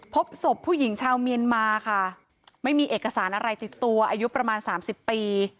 พบศพผู้หญิงชาวเมียนมาค่ะไม่มีเอกสารอะไรติดตัวอายุประมาณ๓๐ปี